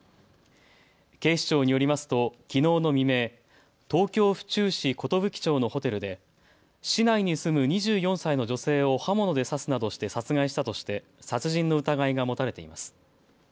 警視庁によりますときのうの未明、東京府中市寿町のホテルで市内に住む２４歳の女性を刃物で刺すなどして殺害したとして殺人の疑いが持たれています。